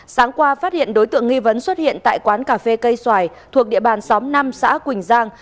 sáng qua phát hiện đối tượng nghi vấn xuất hiện tại quán cà phê cây xoài thuộc địa bàn xóm năm xã quỳnh giang